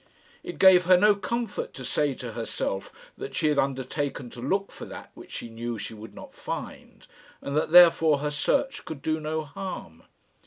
It gave her no comfort to say to herself that she had undertaken to look for that which she knew she would not find, and that therefore her search could do no harm.